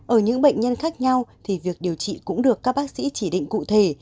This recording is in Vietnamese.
ở những bệnh nhân khác nhau thì việc điều trị cũng được các bác sĩ chỉ định cụ thể